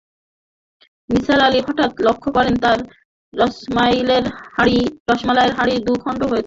নিসার আলি হঠাৎ লক্ষ করলেন, তাঁর রসমালাইয়ের হাঁড়ি দুখণ্ড হয়েছে।